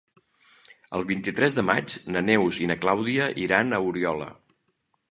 El vint-i-tres de maig na Neus i na Clàudia iran a Oriola.